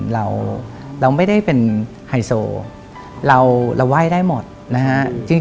เราเราไม่ได้เป็นไฮโซเราเราไหว้ได้หมดนะฮะ